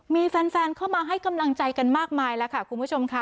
มีแฟนเข้ามาให้กำลังใจกันมากมายแล้วค่ะคุณผู้ชมค่ะ